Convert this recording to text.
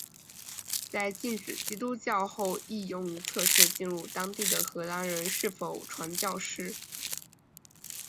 在禁止基督教后亦用于测试进入当地的荷兰人是否传教士。